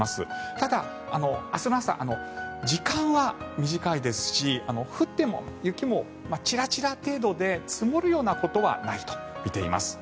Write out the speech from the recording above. ただ、明日の朝時間は短いですし降っても雪もちらちら程度で積もるようなことはないとみています。